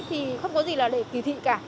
thì không có gì là để kì thị cả